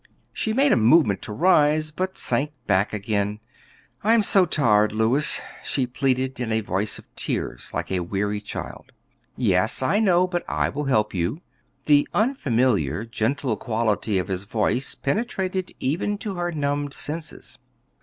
She made a movement to rise, but sank back again. "I am so tired, Louis," she pleaded in a voice of tears, like a weary child. "Yes, I know; but I will help you." The unfamiliar, gentle quality of his voice penetrated even to her numbed senses.